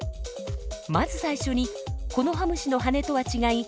まず最初にコノハムシの羽とは違い